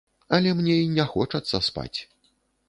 Але мне і не хочацца спаць.